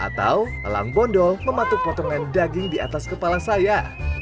atau elang bondol mematuk potongan daging di atas kepala saya